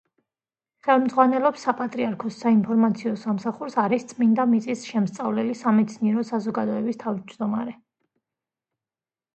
ხელმძღვანელობს საპატრიარქოს საინფორმაციო სამსახურს, არის „წმიდა მიწის“ შემსწავლელი სამეცნიერო საზოგადოების თანათავმჯდომარე.